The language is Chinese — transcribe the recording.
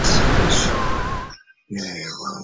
这些信息都是结构上的信息。